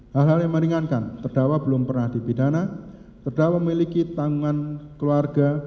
hal hal yang meringankan terdakwa belum pernah dipidana terdakwa memiliki tanggungan keluarga